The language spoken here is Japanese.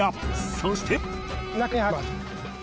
そして。